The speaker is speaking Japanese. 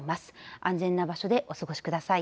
安全な場所でお過ごしください。